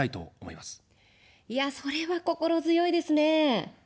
いやあ、それは心強いですね。